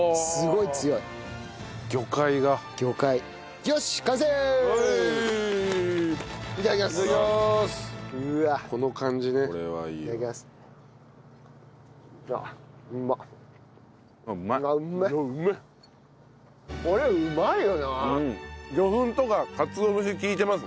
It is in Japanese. すごいうまい！